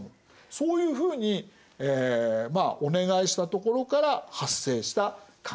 そういうふうにお願いしたところから発生した関係なんです。